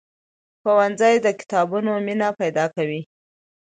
ښوونځی د کتابونو مینه پیدا کوي